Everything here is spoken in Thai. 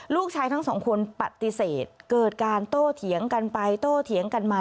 ลูกชายทั้งสองคนปฏิเสธเกิดการโต้เถียงกันไปโต้เถียงกันมา